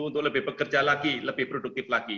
untuk lebih bekerja lagi lebih produktif lagi